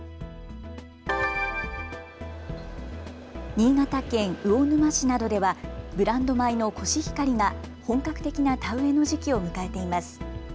新潟県魚沼市などではブランド米のコシヒカリが本格的な田植えの時期を迎えています。